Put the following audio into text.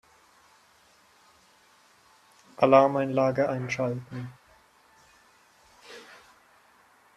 Alarmanlage einschalten.